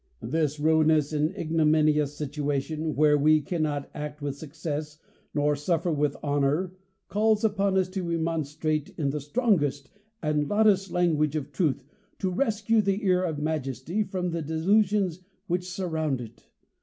This ruinous and ignominious situation, where we cannot act with success, nor suffer with honor, calls upon us to remonstrate in the strongest and loudest lan guage of truth, to rescue the ear of Majesty from the delusions which surround it.